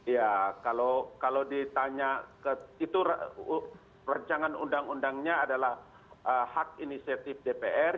ya kalau ditanya itu rencangan undang undangnya adalah hak inisiatif dpr